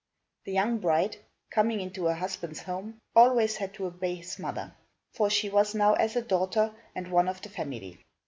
The young bride, coming into her husband's home, always had to obey his mother, for she was now as a daughter and one of the family.